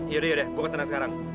yaudah yaudah gua ketenang sekarang